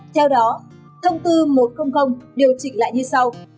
theo đó thông tư một trăm linh điều chỉnh lại như sau